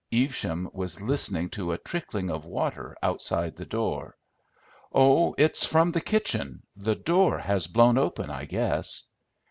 Evesham was listening to a trickling of water outside the door. "Oh! it's from the kitchen. The door has blown open, I guess."